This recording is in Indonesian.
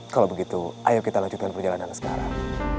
kalau begitu ayo kita lanjutkan perjalanan sekarang